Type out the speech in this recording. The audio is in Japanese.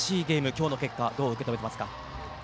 今日の結果どう受け止めていますか。